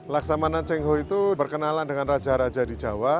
laksamana tionghoa itu berkenalan dengan raja raja di jawa